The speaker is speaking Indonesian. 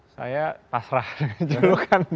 saya pasrah dengan julukan